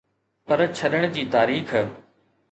پر ڇڏڻ جي تاريخ